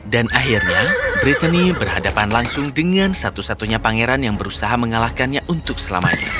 dan akhirnya brittany berhadapan langsung dengan satu satunya pangeran yang berusaha mengalahkannya untuk selamanya